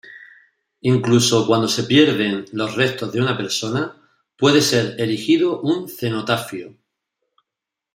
Incluso cuando se pierden los restos de una persona, puede ser erigido un cenotafio.